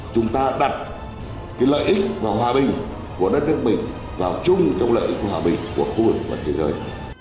chúng ta đặt lợi ích và hòa bình của đất nước mình vào chung trong lợi ích hòa bình của khu vực và thế giới